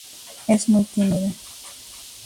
Es muy tímida.